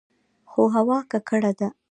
خو هوا ککړه ده.